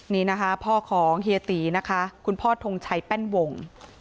นี่นะคะพ่อของเฮียตีนะคะคุณพ่อทงชัยแป้นวง